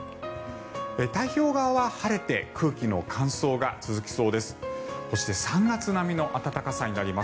太平洋側は晴れて空気の乾燥が続きそうです。